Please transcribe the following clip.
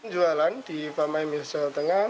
jualan di pamai mio jawa tengah